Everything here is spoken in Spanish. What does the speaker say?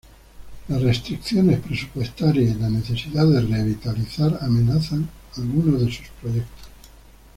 Las restricciones presupuestarias y la necesidad de "revitalizar" amenazan algunos de sus proyectos.